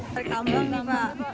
tarik tambang gak pak